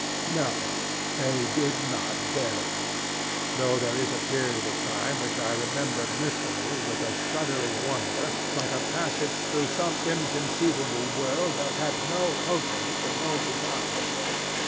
"No, they did not bury me, though there is a period of time which I remember mistily, with a shuddering wonder, like a passage through some inconceivable world that had no hope in it and no desire.